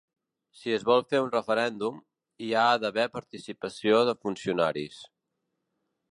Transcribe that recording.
Si es vol fer un referèndum, hi ha d’haver participació de funcionaris.